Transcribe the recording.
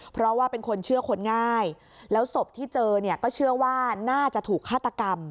เพราะว่าเป็นคนเชื่อคนง่ายแล้วศพที่เจอเนี่ยก็เชื่อว่าน่าจะถูกฆาตกรรม